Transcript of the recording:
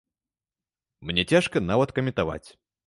Мне цяжка нават каментаваць.